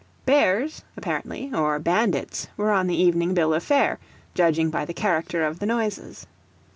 Bears, apparently, or bandits, were on the evening bill of fare, judging by the character of the noises.